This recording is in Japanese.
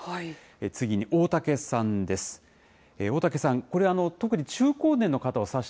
次に大竹さんです。